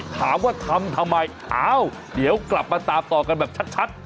ถามว่าทำทำไมอ้าวเดี๋ยวกลับมาตามต่อกันแบบชัด